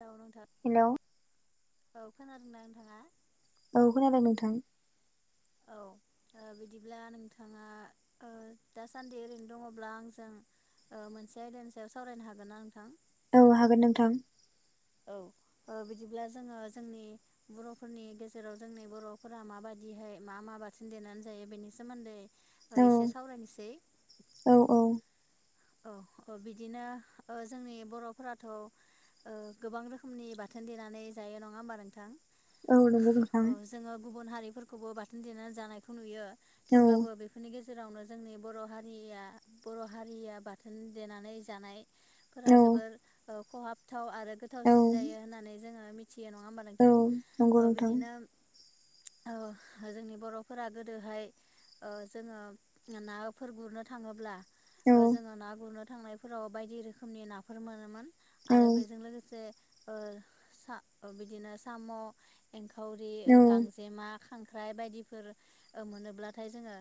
औ नोंथां हेलौ औ खोनादोंना नोंथाङा औ खोनादों नोंथां औ बिदिब्ला नोंथाङा दासान्दि ओरैनो दङब्ला आंजों मोनसे आयदानि सायाव सावरायनो हागोन ना नोंथां औ हागोन नोंथां औ बिदिब्ला जोङो जोंनि बर'फोरनि गेजेराव जोंनि बर'फोरा माबायदि बिदिहाय मा मा बाथोन देनानै जायो बेनि सोमोन्दै ओ औ एसे सावरायनोसै औ औ। औ औ बिदिनो जोंनि बर'फोराथ' गोबां रोखोमनि बाथोन देनानै जायो नङा होमबा नोंथां औ नंगौ नों थां औ जोङो गुबुन हारिफोरखौबो बाथोन देनानै जानायखौ नुयो औ थेवब्लाबो बेफोरनि गेजेराव जेरावनो जोंनि बर' हारिया बर' हारिया बाथोन देनानै जानाय फोर औ जोबोर खहाबथाव आरो औ गोथावसिन जायो होननानै जोङो मिथि मिथियो नङा होमबा औ नोंथां नंगौ नोंथां बिदिनो जोंनि बर'फोरा गोदोहाय जोङो नाफोर गुरनो थाङोब्ला औ ओ जोङो ना गुरनो थांनायफोराव बायदि रोखोमनि नाफोर मोनोमोन औ आरो बेजों लोगोसे बिदिनो साम' एंखावरि औ गांजेमा खांख्राइ बायदिफोर मोनोब्लाथाय जोङो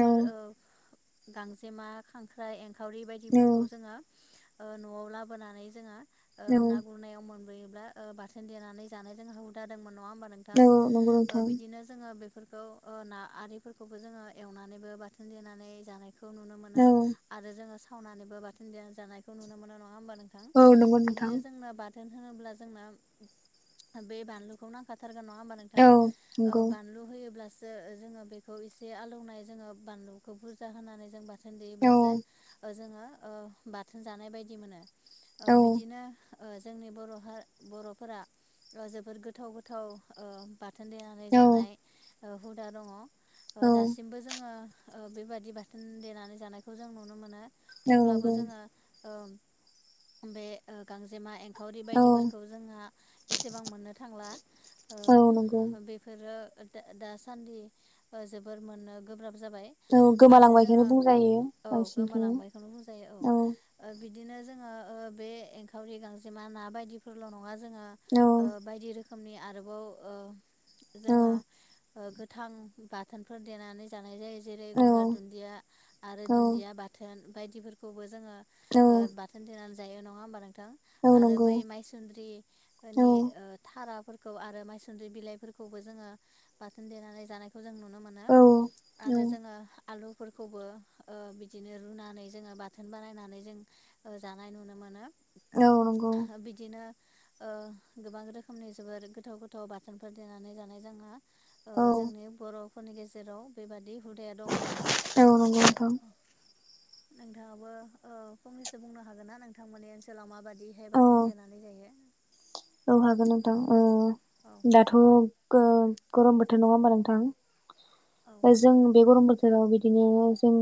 औ गांजेमा खांख्राइ एंखावरि बायदिफोरखौ जोङो न'आव लाबोनानै जोङो ना गुरनायाव मोनबोयो बाथोन देनानै जानो जोङो हुदा दङमोन नङाहोमबा नोंथां औ नंगौ नोंथां बिदिनो जोङो फोरखौ ना आरिफोरखौबो जोङो एवनानैबो बाथोन देनानै जानायखौ नुनो औ मोनो आरो जोङो सावनानैबो बाथोन दना जानायखौ नुनो मोनो नङा होमबा नोंथां औ नंगौ नोंथां बिदिनो जोंनो थोन होनोब्ला जोंना बे बानलुखौ नां थारगोन नङा होमबा नोंथां औ ओह नंगौ बानलु होयोब्ला ज जोङो बेखौ एसे आलौनाय जोङो बानलुखौ बुरजा होनानै जों बाथोन औ देयोब्लासो जोङो बाथोन जानाय बायदि मोनो औ बिदिनो जोंनि बर' बर'फोरा जोबोर गोथाव गोथाव बाथोन देनानै जानाय हुदा दङ औ दासिमबो जोङो बेबायदि बाथोन देनानै जानायखौ जों नुनो मोनो औ थेवब्लाबो नंगौ जोङो बे गांजेमा आंखावरि औ बायदिफोरखौ जोंहा एसेबां मोननो थांला औ नंगौ बेफोरो दासान्दि जोबोर मोनो गोब्राब जाबाय औ आरो जोङो गोमालांबायखनो बुंजायो औ बांसिनखौनो गोमालांबायखौनो बुंजायो औ औ बिदिनो जोङो बे एंखावरि गांजेमा ना बायदिफोरल' नङा जोङो औ बायदिन रोखोमनि आरोबाव ओ औ गोथां बाथोनफोर देनानै जानाय जायो जेरै औ गंगार दुन्दिया आरो औ दुन्दिया बाथोन बायदिफोरखौबो जोङो औ बाथोन दोननानै जायो नङा होमबा औ आरो नंगौ बै माय सोमर्दि औ फोरनि ओ थारा फोर खौ आरो मायसुन्द्रि बिलाइफोरखौबो जोङो बाथोन देनानै जानायखौ जों नुनो मोनो नुनो औ मोनो औ आरो जोङो आलु फोरखौबो बिदिनो रुनानै जोङो बाथोन बानायनानै जों जानाय नुनो मोनो औ नंगौ बिदिनो गोबां रोखोमनि जबोर गोथाव गोथाव बाथोनफोर देनानै जानाय जोंहा औ जोंनि बर'फोरनि गेजेराव बेबादि हुदाया दङ आरो औ नंगौ नोंथां नोंथाङाबो फंनैसो बुंनो हागोन ना नोंथांमोननि ओनसोलाव माबादि बेैहाय औ बाथोन देनानै जायो औ हागोन नथां औ औ दाथ' गोम गरम बोथोर नङा होमबा औ नोंथां जों नंगौ बे गरम बोथोराव बिदि बिदिनो जों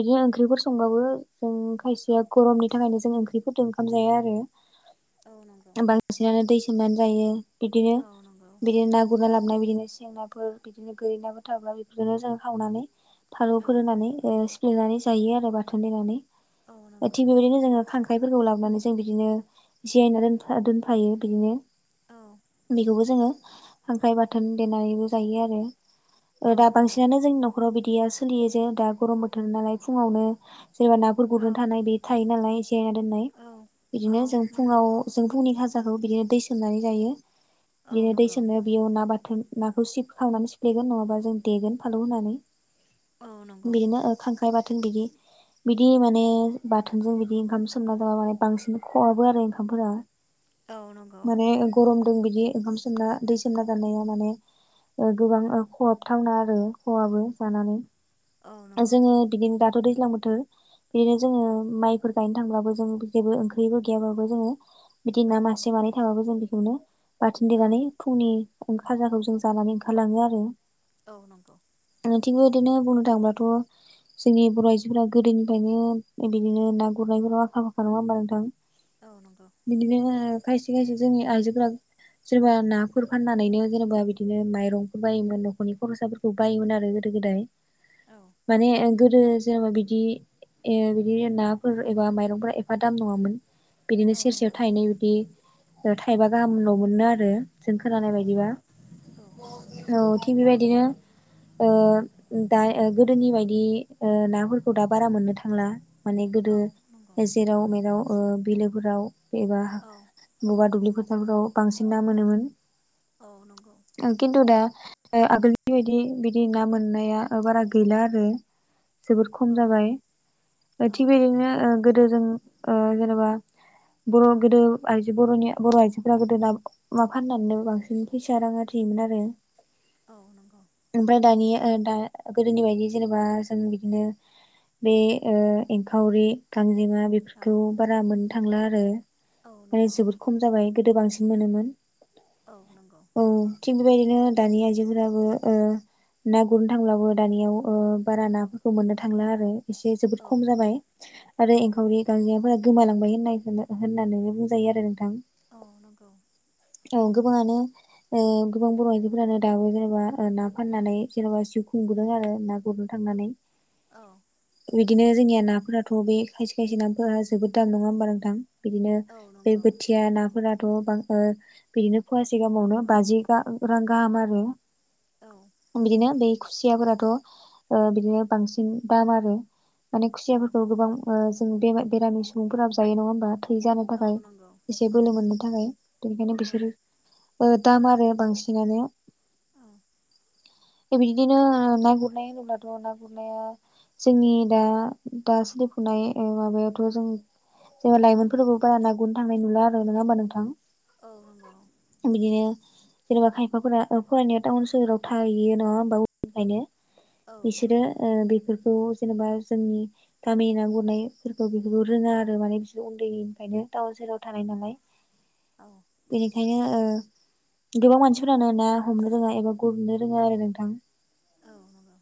बिदि ओंख्रिफोर संबाबो जों औ खायसेया गरमनि थाखायनो जों ओंख्रि गोदुं ओंखाम जाया आरो औ नंगौ बिदिनानै दै सोमनानै जायो बिदिनो औ नंगौ बिदिनो ना गुरना लाबो सनाय बिदिनो जेंनाफोर बिदिनो गोरि नाफोर थाब्लाबो बेफोरखौनो जों सावनानै औ फानलुफोर होनानै सिफ्लेनानै जायो आरो बाथोन देनानै औ नंगौ थिग बेबायदिनो जोंङो खांख्राइफोरखौ लाबोनानै जों बिदिनो [unintelligible] दोन द फायो बिदिनो औ बेखौबो जोंङो खांख्राय बाथोन देनानैबो जायो आरो। औ दा नंगौ बांसिनानो जोंनि न'खराव बिदिया सोलियो जे दा गरम बोथोर नालाय फुंआवनो। सोरनिबा नाफोर औ गुरनो थानाय बे थायो नालाय जिरायना दोननाय। औ औ बिदिनो जों नंगौ फुंआव जों फुंनि खाजि खौ बिदिनो दै सोमनानै जायो औ बिदिनो दै नंगौ सोमनो बेयाव ना बाथोन। नाखौ सिब खांनानै सिफ्लेगोन नंङाबा जों देगोन फानलू होनानै औ नंगौ बिदिनो ओमफफ्राय बाथोन बिदि बिदि माने बाथोनजों बिदि ओंखाम सोमना जाबा माने बांसिन खहाबो आरो ओंखामफोरा। औ नंगौ माने गरम दों बिदि ओंखाम सोमना दै सोमना जानाया माने गोबां खहाबथावना आरो खहाबो जानानै। औ नंगौ जोंङो बिदिनो दाथ' दैज्लां बोथोर बिदिनो जोंङो माइफोर गायनो थांब्लाबो जों जेबो ओंख्रिबो गैयाबाबो जोंङो। बिदि औ ना मासे मानै थाबाबो जों बेखौनो बाथेन औ देनानै फुंनि खाजाखौ जों जानानै ओंखारलांङो आरो। औ नंगौ। बिथिंबो बिदिनो बुंनो थांङोब्लाथ'। जोंनि बर' आइजोफोरा गोदोनिफ्रायनो बिदिनो ना गुरनायफोराव आखा फाखा नंङाब ओमबा नोंथां। औ नंगौ बिदिनो खायसे खायसे जोंनि आइजोफोरा जेनेबा नाफोर फाननानैनो जेनेबा बिदिनो माइरंफोर बायोमोन न'खरनि खर'साफोरखौ बायोमोन आरो गोदो। गोदाय औ माने गोदो जेनेबा बिदि ए बिदिनो नाफोर एबा माइरंफोरा एफा दाम नंङामोन। औ बिदिनो सेरसेयाव नंगौ थायनौ बिदि थाइबा गाहामल' मोनो आरो। जों औ खोनानाय बायदिबा औ नंगौ औ थिग बेबायदि बिदिनो अ दा गोदोनि बायदि नाफोरखौ दा बारा मोननो थांला। माने गोदो औ नंगौ जेराव मेराव अ बिलोफोराव एबा औ बगा दुब्लि फोथारफोराव बांसिन ना मोनोमोन। औ नंगौ। अ आगोलनि बायदि बिदि ना मोननाया अ बारा गौला आरो। जोबोर खम औ जाबाय औ थिग बेजोंनो गोदो जों जेनेबा बर' गोदो आइजो बर'नि बर' आइजोफोरा गोदो ना फाननानै बांसिन फैसा रां आरोखि आरो औ नंगौ ओमफ्राय दानिया दा गोदोनि बायदि जेनेबा जों बिदिनो बे एंखावरि गां गांजेमा औ बेफोरखौ बारा मोननो थांला आरो औ माने नंगौ जोबोर खम जाबाय। गोदो बांसिन मोनोमोन औ नंगौ औ थिक बेबायदि बिदिनो दानि आइजोफोराबो ना गुरनो थांब्लाबो। दानियाव अ बारा नाफोरखौ मोननो थांला आरो। एसे जोबोद खम औ जाबाय आरो औ एंखावरि गांजेमाफोरा। गोमालांबाय होननायखौ होननानै बुंजायो आरो नोंथां। औ नंगौ। गोबांङानो गोबां बर' आइजोफोरानो दाबो जेनेबा ना फाननानै जेनेबा जिउ खुंबोदों आरो ना गुरनो थांनानै। औ। बिदिनो जोंनिया नाफोराथ' बे खायसे खायसे नाफोरा जोबोद दाम नंङा होमबा नोंथां? बिदिनो औ बे नंगौ औ बोथिया नाफोराथ'बां बिदिनो फुवासे गाहामावनो बाजि रां गाहाम आरो। औ ओम बिदिनो बै खुसियाफोराथ' बिदिनो बांसिन दाम आरो। माने औ खुसियाफोरखौ गोबां ओ जों बे बेरामि सुबुंफोराबो जायो नङा होनबा थै जानो औ नंगौ औ थाखाय नंगौ औ नंगौ एसे औ बोलो मोननो थाखाय बेनिखायनो बिसोरो ओ दाम आरो बांसिनानो बिदिनो ना गुरनाय होनोबाथ ना गुरनाया जोंनि दा दा सोलिफुनाय ओ माबायावथ' जों जेनबा लाइमोनफोरखौबो बारा गुरनो थांनाय नुला आरो नङा होनबा नोंथां बिदिनो जेनेबा खायफाफोरा फरायनाया टाउन सोहोराव थाहयो नङा होमबा उनदैनिफ्रायनो बिसोरो ओ बेफोरखौ जेनेबा जोंनि गामि ना गुरनायफोरखौ बेखौ रोङा आरो माने बिसोर उन्दैनिफ्रायनो थाउन थाउनाव थानाय नालाय बेनिखायनो ओ गोबां मानसिफोरानो ना हमनो रोङा एबा गुरनो रोङा आरो नोंथां औ नंगौ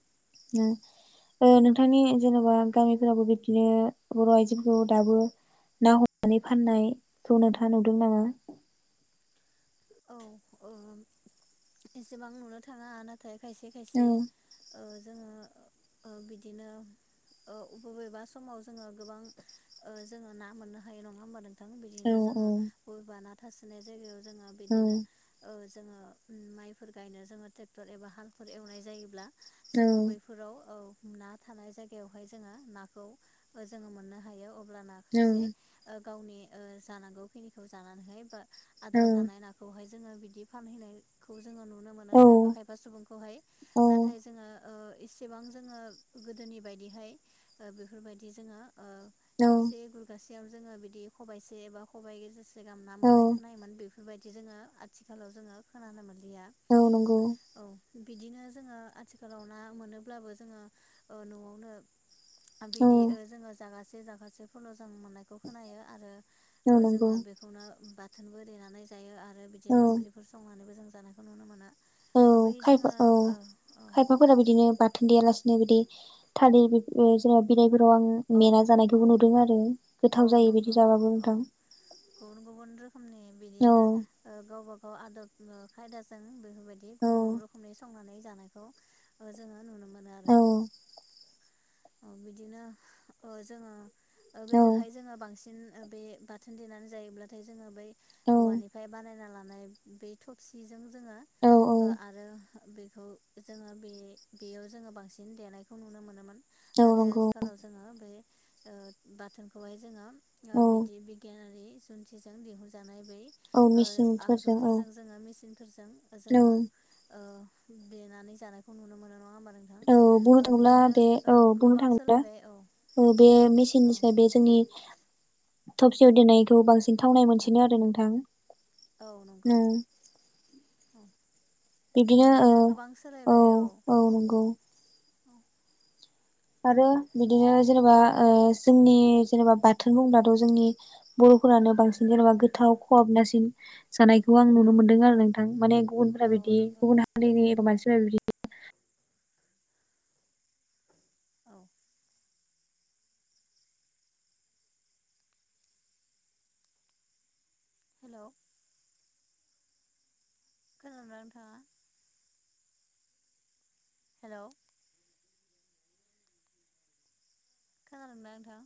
ओम ओ नोंथांनि जेन'बा गामिफोरावबो बिब्दिनो बर' आइजोफोरखौ दाबो ना हमनानै फाननायखौ नोंथाङा नुदों नामा औ औ एसेबां नुनो थाङा नाथाय खायसे खायसे औ जोङो बिदिनो औ बबेबा समाव जोङो गोबां जोङो ना मोननो हायो नङा होमबा औ बिदिनो जोङो औ बबे बाना थासनाय जायगायाव जोङो औ बिदिनो जोङो माइफोर गायनो जोङो ट्रेक्टर एबा हालफोर एवनाय जायोब्ला औ जोङो बैफोराव औ ना थानाय जायगायावहाय जोङो नाखौ जोङो मोननो हायो लाना औ खायसे ओ गावनि ओ जांनांगौनिखौ जानानैहाय बा औ आद्रा थानाय ओमफ्राय जोङो बिदि फानहैनायखौ जोङो नुनो मोनो औ खायफा खायफा सुबुंखौहाय औ नाथाय जोङो ओ एसेबां जोङो गोदोनि बायदिहाय बेफोरबायदि जोङो ओ औ खेबसे गुरगासेयाव जोङो बिदि खबाइसे एबा खबाइ गेजेरसे गाहाम ना औ मोननाय खोनायोमोन बेफोरबायदि जोङो आथिखालाव जोङो खोनानो मोन औ नांगौ बिदिनो जोङो आथिखालाव ना मोनोब्लाबो जोङो न'आवनो औ बिदि ओ जोङो जागासे जागासेफोरल मोजां मोननायखौ खोनायो आरो ओ जोङो नंगौ बेखौनो बाथोनबो देनानै जायो आरो औ बिदिनो ओंख्रिफोर संनानैबो जों जानायखौ नुनो मोनो औ बै खायफा जोङो औ ओ खायफाफोरा बिदिनो बाथोन देयालासिनो बिदि थालिर जेरै बिलाय फोराव आं औ मेना औ जानायखौबो नुदों आरो औ गोथाव जायो नंगौ बिदि जाबाबो नोंथां समनि औ बिदिनो ओ गावबा गाव आदब खायदाजों बे बेबायदि औ गुबुन गुबुन रोखोमनि संनानै जानायखौ ओ जोङो नुनो मोनो आरो औ बिदिनो ओ जोङो औ गोदोहाय जोङो बांसिन बे बाथोन देनानै जायोब्लाथाय जोङो बै औ औवानिफ्राय बानायना ला नाय बे थबसिजों जोङो औ ओ आरो बेखौ जोङो बे बेयाव जोङो बांसिन देनायखौ नुनो मोनोमोन औ नाथाय नंगौ आथिखालाव जोङो बे बाथोनखौहाय जोङो औ बिदि बिगियानारि जुन्थिजों दिहुनजानाय बे औ ओ मेचिनफोरजों औ आगजुफोरजों जोङो मेसिनफोरजों औ जोङो ओ देनानै जानायखौ नुनो मोनो नङा होमबा नोंथां औ बुंनो ओ थांब्ला बिदिनो बे औ ओ बुंनो गोबां थाङोब्ला सोलायबाय औ औ बे औ मेसिननिसाय बे जोंनि थफसेयाव दोननायखौ बांसिन थावनाय मोनसिनो आरो नोंथां औ नंगौ उम औ बिदिनो गोबां सोलायबाय औ औ-औ-औ नंगौ आरो बिदिनो जेनेबा ओ जोंनि जेनेबा बाथोन बुंब्लाथ' जोंनि ब अफोरानो बांसिन जेनेबा गोथाव खहाबनासिन जानायखौ आं औ नुनो मोन्दों आरो नोंथां माने गुबुनफोरा औ बिदि नंगौ गुबुन हारिनि एबा मानसिफोरा बिदि औ हेलौ खोनादोंना नोंथाङा हेलौ खोनादोंना नोंथां